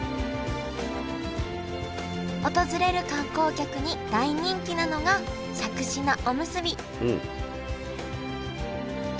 訪れる観光客に大人気なのがしゃくし菜おむすび